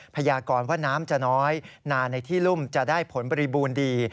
พยากรว่าน้ำจะน้อยนาในที่รุ่มจะได้ผลบริบูรณ์ดี